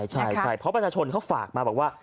ใช่เพราะประชาชนเขาฝากมาบอกว่า